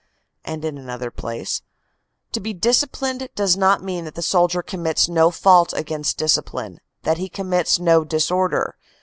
"* And in another place: "To be disciplined does not mean that the soldier commits no fault against discip line, that he commits no disorder.